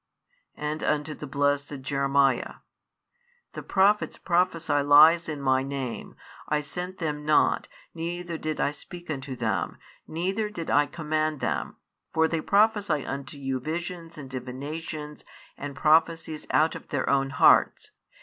And unto the blessed Jeremiah: The prophets prophesy lies in My name: I sent them not, neither did I speak unto them, neither did I command them: for they prophesy unto you visions and divinations and prophecies out of their own hearts.